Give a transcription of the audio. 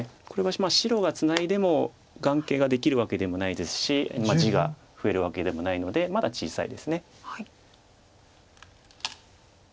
これは白がツナいでも眼形ができるわけでもないですし地が増えるわけでもないのでまだ小さいです。